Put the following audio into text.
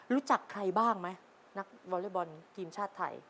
รู้จักใครบ้างไหมนักวอเล็กบอลทีมชาติไทย